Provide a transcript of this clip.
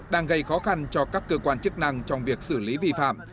đang gây khó khăn cho các cơ quan chức năng trong việc xử lý vi phạm